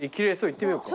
行ってみようか。